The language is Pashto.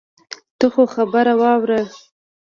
ته خو خبره واوره.